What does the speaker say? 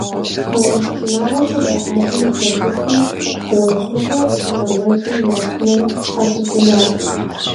Таурыхъ шынагъуэхэр жаӏэжу здэщысым, уэздыгъэр къыщӏэнэжыри, я шынэр щхьэщихужащ.